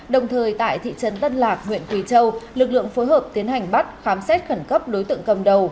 đồng thời tại thị trấn tân lạc huyện quỳ châu lực lượng phối hợp tiến hành bắt khám xét khẩn cấp đối tượng cầm đầu